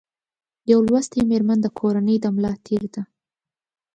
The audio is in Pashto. یو لوستي مېرمن د کورنۍ د ملا تېر ده